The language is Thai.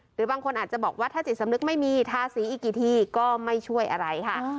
หรือบางคนอาจจะบอกว่าถ้าจิตสำนึกไม่มีทาสีอีกกี่ทีก็ไม่ช่วยอะไรค่ะ